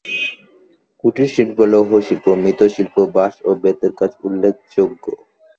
কুটিরশিল্প লৌহশিল্প, মৃৎশিল্প, বাশঁ ও বেতের কাজ উল্লেখযোগ্য।